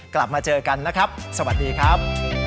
กลับมาเจอกันนะครับสวัสดีครับ